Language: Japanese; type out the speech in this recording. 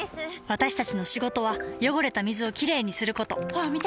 私たちの仕事は汚れた水をきれいにすることホアン見て！